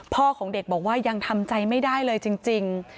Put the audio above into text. ของเด็กบอกว่ายังทำใจไม่ได้เลยจริง